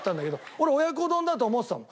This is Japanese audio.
俺親子丼だと思ってたもん。